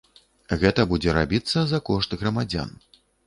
Гэта будзе рабіцца за кошт грамадзян.